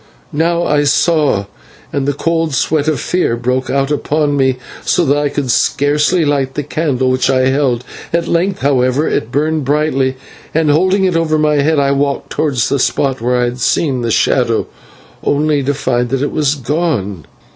"Now I saw, and the cold sweat of fear broke out upon me, so that I could scarcely light the candle which I held. At length, however, it burned brightly, and, holding it over my head, I walked towards the spot where I had seen the shadow, only to find that it was gone."